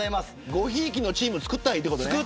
ごひいきのチームつくったらいいってことね。